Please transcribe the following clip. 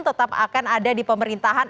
tetap akan ada di pemerintahan